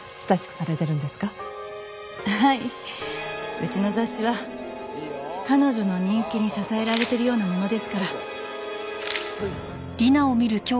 うちの雑誌は彼女の人気に支えられてるようなものですから。